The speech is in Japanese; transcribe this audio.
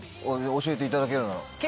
教えていただけるなら。